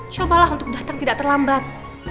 cobalah untuk datang tidak terlambat